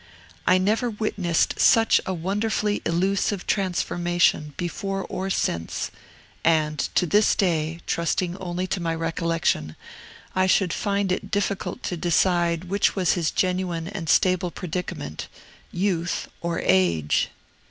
I never witnessed such a wonderfully illusive transformation, before or since; and, to this day, trusting only to my recollection, I should find it difficult to decide which was his genuine and stable predicament, youth or age.